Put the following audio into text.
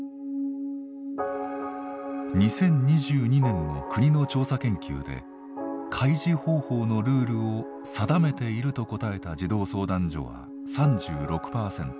２０２２年の国の調査研究で開示方法のルールを「定めている」と答えた児童相談所は３６％。